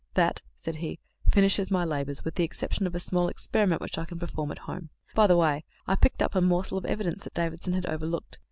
"That," said he, "finishes my labours, with the exception of a small experiment which I can perform at home. By the way, I picked up a morsel of evidence that Davidson had overlooked.